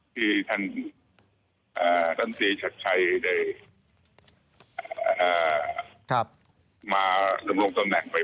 ที่ท่านตีชักชัยได้มาลงตำแหน่งไว